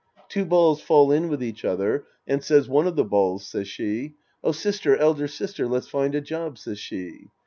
Two balls fall in with each other, And says one of the balls, says she, " Oh, sister, elder sister, let's find a job," says she.